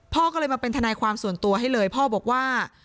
พ่อก็เลยมาเป็นทนายความส่วนตัวให้เลยพ่อบอกว่า